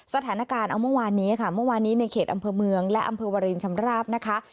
สถานการณ์เอาเมื่อวานนี้ค่ะเมื่อวานนี้ในเขตอำเภอเมืองและอำเภอวารินชำราบนะคะ